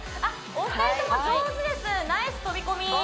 お二人とも上手ですナイス飛び込み